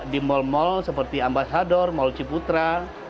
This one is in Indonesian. di mal mal seperti ambasador mall ciputra